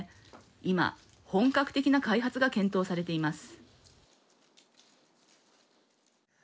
今、本格的な開発が検討されています。